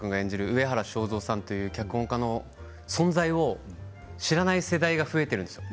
上原正三さんという脚本家の存在を知らない世代が増えているんですよ。